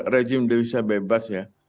regime devisa bebas ya